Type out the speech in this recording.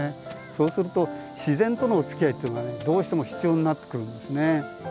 そうすると自然とのおつきあいっていうのがねどうしても必要になってくるんですね。